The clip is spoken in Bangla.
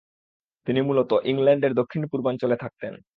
তিনি মূলত ইংল্যান্ডের দক্ষিণ-পূর্বাঞ্চলে থাকতেন।